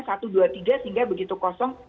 sehingga begitu kosong